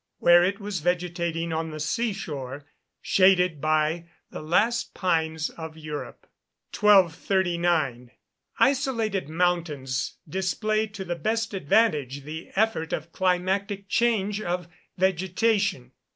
where it was vegetating on the seashore, shaded by the last pines of Europe. 1239. Isolated mountains display to the best advantage the effort of climatic change of vegetation.